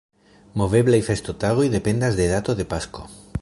Moveblaj festotagoj dependas de dato de Pasko.